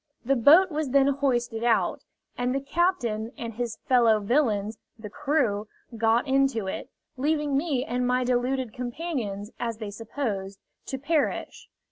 The boat was then hoisted out, and the captain and his fellow villains, the crew, got into it, leaving me and my deluded companions, as they supposed, to perish.